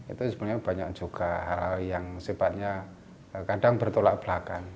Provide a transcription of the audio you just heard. itu sebenarnya banyak juga hal hal yang sifatnya kadang bertolak belakang